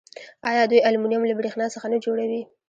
آیا دوی المونیم له بریښنا څخه نه جوړوي؟